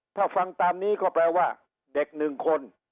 ถ้าฟังตามนี้ก็แปลว่าเด็กหนึ่งคน